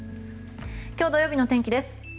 今日、土曜日の天気です。